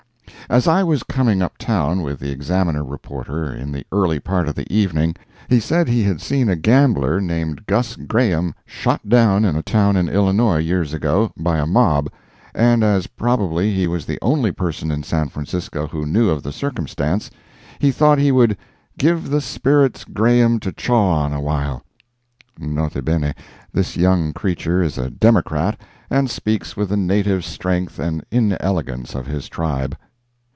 As I was coming up town with the Examiner reporter, in the early part of the evening, he said he had seen a gambler named Gus Graham shot down in a town in Illinois years ago, by a mob, and as probably he was the only person in San Francisco who knew of the circumstance, he thought he would "give the spirits Graham to chaw on awhile." (N. B. This young creature is a Democrat, and speaks with the native strength and inelegance of his tribe.)